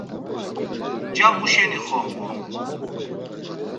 Nca muşeni xombun?